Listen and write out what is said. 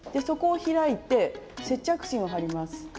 そこを開いて接着芯を貼ります。